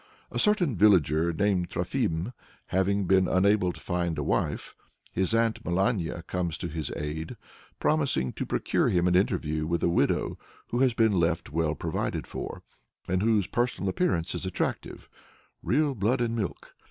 A certain villager, named Trofim, having been unable to find a wife, his Aunt Melania comes to his aid, promising to procure him an interview with a widow who has been left well provided for, and whose personal appearance is attractive "real blood and milk!